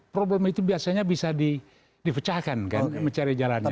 problem itu biasanya bisa dipecahkan kan mencari jalannya